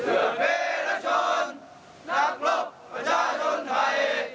เหลือเพชรชนหลักลบประชาชนไทย